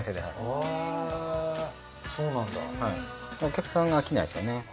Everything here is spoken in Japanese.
はいお客さんが飽きないですよね。